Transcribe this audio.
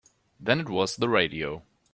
Then it was the radio.